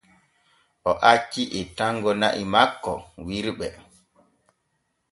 O acci ettango na’i makko wirɓe.